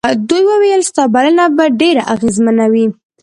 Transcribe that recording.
دوی وویل ستا بلنه به ډېره اغېزمنه وي.